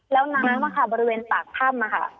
แล้วน้ำบริเวณปากถ้ำค่ะ